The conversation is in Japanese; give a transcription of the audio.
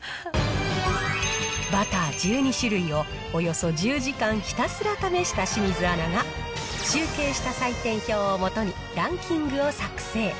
バター１２種類をおよそ１０時間、ひたすら試した清水アナが、集計した採点表を基に、ランキングを作成。